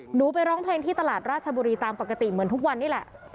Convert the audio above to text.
หนูไปร้องเพลงที่ตลาดราชบุรีตามปกติเหมือนทุกวันนี้แหละ